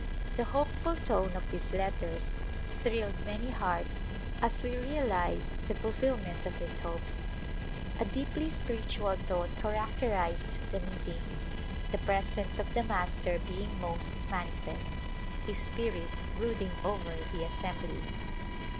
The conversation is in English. The hopeful tone of these letters thrilled many hearts as we realized the fulfillment of his hopes. A deeply spiritual tone characterized the meeting, the presence of the Master being most man ifest, His Spirit brooding over the assembly.